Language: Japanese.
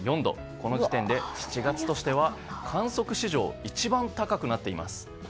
この時点で７月としては観測史上一番高くなっています。